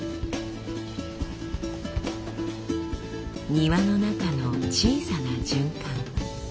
庭の中の小さな循環。